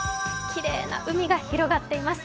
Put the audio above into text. きれいな海が広がっています。